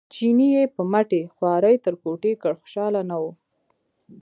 چیني یې په مټې خوارۍ تر کوټې کړ خوشاله نه و.